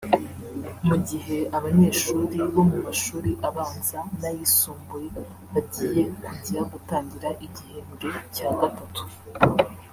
Mu gihe abanyeshuri bo mu mashuri abanza n’ayisumbuye bagiye kujya gutangira igihembwe cya gatatu